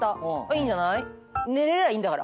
いいんじゃない？